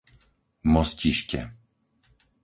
Mostište